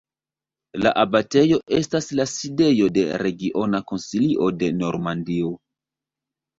La abatejo estas la sidejo de Regiona Konsilio de Normandio.